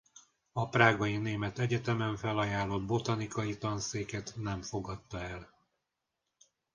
A prágai német egyetemen felajánlott botanikai tanszéket nem fogadta el.